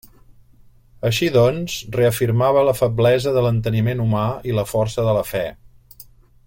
Així doncs, reafirmava la feblesa de l'enteniment humà i la força de la fe.